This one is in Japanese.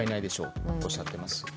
こうおっしゃっています。